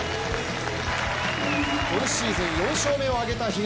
今シーズン４勝目を挙げた比嘉。